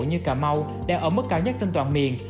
như cà mau đang ở mức cao nhất trên toàn miền